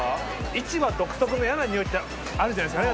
市場独特の嫌なにおいってあるじゃないですか